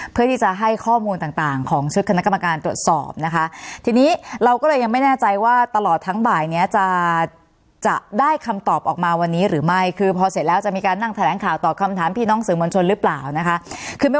เพื่อที่จะให้ข้อมูลต่างของชุดคณะกรรมการตรวจสอบนะคะ